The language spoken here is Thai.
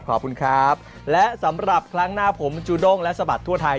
ขอบคุณครับและสำหรับครั้งหน้าผมจูด้งและสะบัดทั่วไทย